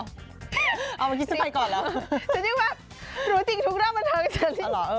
เชอรี่แบบรู้จริงทุกเรื่องบันเทิง